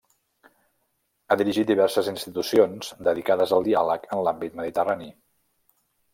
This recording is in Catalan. Ha dirigit diverses institucions dedicades al diàleg en l'àmbit mediterrani.